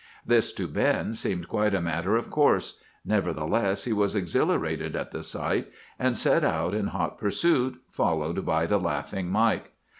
This to Ben seemed quite a matter of course; nevertheless, he was exhilarated at the sight, and set out in hot pursuit, followed by the laughing Mike.